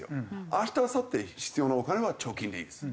明日あさって必要なお金は貯金でいいです。